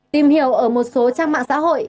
tìm hiểu ở một số trang mạng xã hội